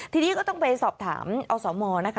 ทีนี้ก็ต้องไปสอบถามอสมนะคะ